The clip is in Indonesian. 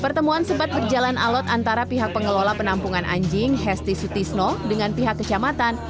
pertemuan sempat berjalan alot antara pihak pengelola penampungan anjing hesti sutisno dengan pihak kecamatan